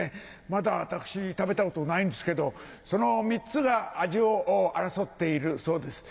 まだ私食べたことないんですけどその３つが味を争っているそうです。